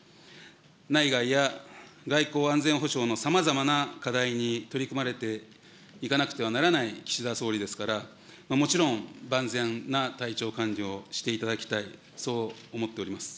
内外や外交・安全保障のさまざまな課題に取り組まれていかなくてはならない岸田総理ですから、もちろん、万全な体調管理をしていただきたい、そう思っております。